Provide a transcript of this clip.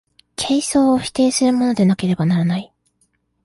形相を否定するものでなければならない。